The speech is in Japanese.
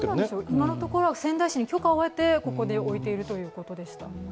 今のところ、仙台市に許可を得てここに置いているそうでした。